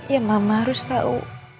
ya mama harus tahu